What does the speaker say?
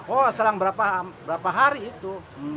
oh selang berapa hari itu